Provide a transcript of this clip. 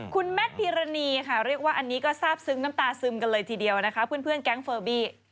คุณแมทพิรณีค่ะเรียกว่าอันนี้ก็ทราบซึ้งน้ำตาซึมกันเลยทีเดียวนะคะเพื่อนแก๊งเฟอร์บี้